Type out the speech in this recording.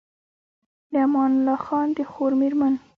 د امان الله خان د خور مېرمن